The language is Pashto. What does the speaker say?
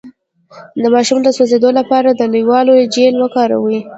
د ماشوم د سوځیدو لپاره د الوویرا جیل وکاروئ